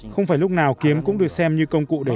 không phải lúc nào kiếm cũng được xem như công cụ để chiến đấu